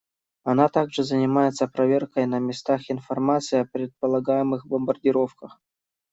Она также занимается проверкой на местах информации о предполагаемых бомбардировках.